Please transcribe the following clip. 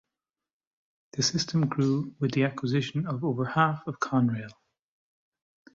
The system grew with the acquisition of over half of Conrail.